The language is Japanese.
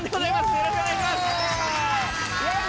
よろしくお願いします。